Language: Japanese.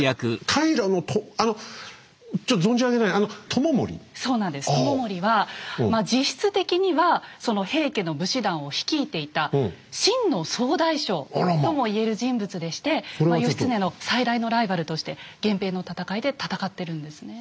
知盛はまあ実質的にはその平家の武士団を率いていた真の総大将とも言える人物でして義経の最大のライバルとして源平の戦いで戦ってるんですね。